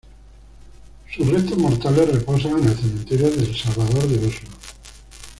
Sus restos mortales reposan en el Cementerio del Salvador de Oslo.